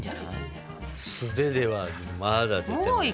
素手ではまだ絶対無理。